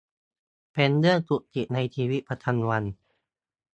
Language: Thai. เป็นเรื่องจุกจิกในชีวิตประจำวัน